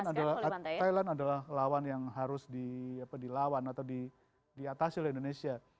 thailand adalah lawan yang harus dilawan atau diatasi oleh indonesia